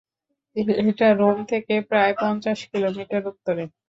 এটা রোম থেকে প্রায় পঞ্চাশ কিলোমিটার উত্তরে।